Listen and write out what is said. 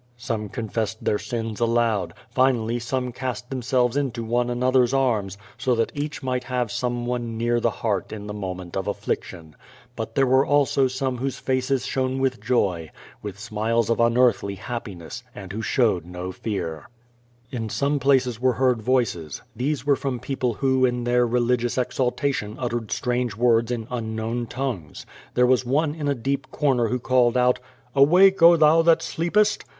*' Some confessed their sins aloud; finally some cast themselves into one another's arms, so that each might have some one near the heart in the moment of affliction. But there were also some whose faces shone with joy, with smiles 236 Q^^ VADlS, of unearthly happiness, and who showed no fear. In some places were heard voices. These were from people who in their religious exaltation uttered strange words in unknown tongues. There was one in a dark corner who called out, "Awake, oh, thou that sleepest!''